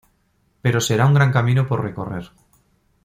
Pero será un gran camino por recorrer.